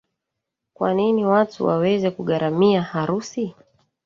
Kwa nini watu waweze kugharimia harusi.